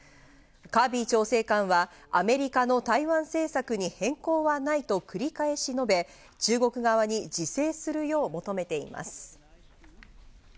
カービー調整官はアメリカの台湾政策に変更はないと繰り返し述べ、中国側に自制するよう求めています。